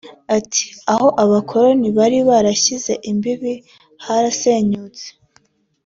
Ati” Aho abakoloni bari barashyize imbibi harasenyutse